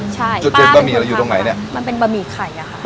ใช่จุดเด่นบะหมี่เราอยู่ตรงไหนเนี่ยมันเป็นบะหมี่ไข่อะค่ะ